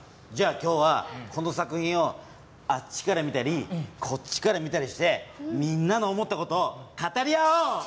じゃあ今日はこの作品をあっちからみたりこっちからみたりしてみんなの思った事を語り合おう。